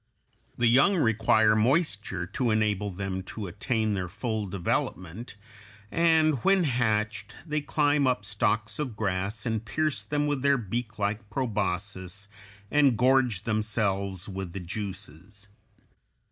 The young require moisture to enable them to attain their full development, and when hatched they climb up stalks of grass and pierce them with their beaklike proboscis and gorge themselves with the juices.